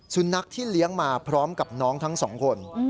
สุนัขที่เลี้ยงมาพร้อมกับน้องทั้งสองคน